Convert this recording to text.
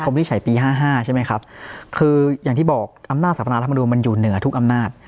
วิจัยปี๕๕ใช่ไหมครับคืออย่างที่บอกอำนาจสรรพนารัฐมนุนมันอยู่เหนือทุกอำนาจ